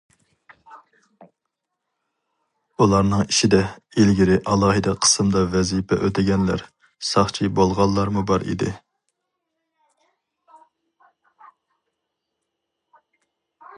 ئۇلارنىڭ ئىچىدە، ئىلگىرى ئالاھىدە قىسىمدا ۋەزىپە ئۆتىگەنلەر، ساقچى بولغانلارمۇ بار ئىدى.